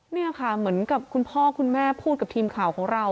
นี่ค่ะเหมือนกับคุณพ่อคุณแม่พูดกับทีมข่าวของเรา